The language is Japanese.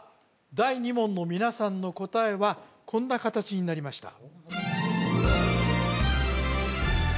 第２問の皆さんの答えはこんな形になりました